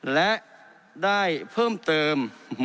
และได้เพิ่มเติม